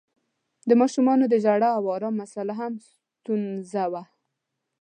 د ماشومانو د ژړا او آرام مسآله هم ستونزه وه.